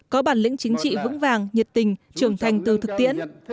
có bản lĩnh chính trị vững vàng nhiệt tình trưởng thành từ thực tiễn